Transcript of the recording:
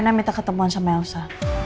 saya minta ketemuan sama elsa